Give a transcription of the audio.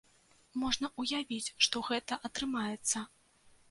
Можна ўявіць, што гэта атрымаецца.